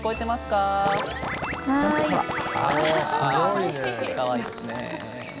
かわいいですね。